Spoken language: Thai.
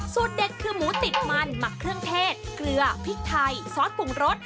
เด็ดคือหมูติดมันหมักเครื่องเทศเกลือพริกไทยซอสปรุงรส